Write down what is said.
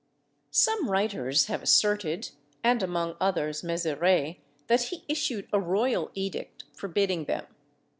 Some writers have asserted, and among others, Mezerai, that he issued a royal edict forbidding them.